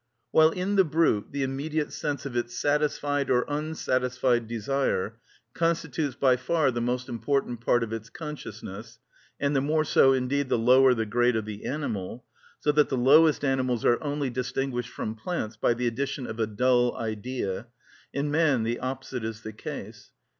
While in the brute the immediate sense of its satisfied or unsatisfied desire constitutes by far the most important part of its consciousness, and the more so indeed the lower the grade of the animal, so that the lowest animals are only distinguished from plants by the addition of a dull idea, in man the opposite is the case.